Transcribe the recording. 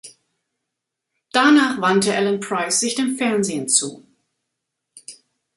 Danach wandte Alan Price sich dem Fernsehen zu.